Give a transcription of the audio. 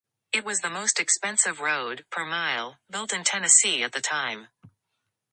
It was the most expensive road, per mile, built in Tennessee at the time.